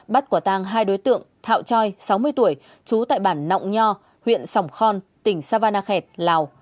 bắt quả tang hai đối tượng thạo choi sáu mươi tuổi trú tại bản nọng nho huyện sòng khon tỉnh savanakhet lào